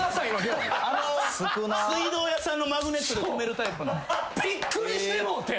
水道屋さんのマグネットでとめるタイプの。びっくりしてもうて。